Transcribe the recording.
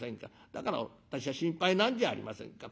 だから私は心配なんじゃありませんか。